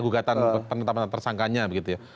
gugatan penetapan tersangkanya begitu ya